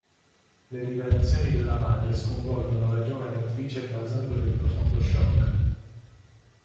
Le rivelazioni della madre sconvolgono la giovane autrice causandole un profondo shock.